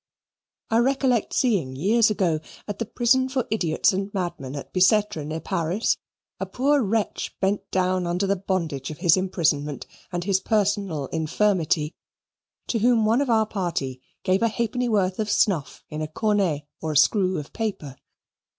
I recollect seeing, years ago, at the prisons for idiots and madmen at Bicetre, near Paris, a poor wretch bent down under the bondage of his imprisonment and his personal infirmity, to whom one of our party gave a halfpenny worth of snuff in a cornet or "screw" of paper.